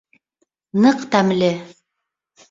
Ныҡ тәмле.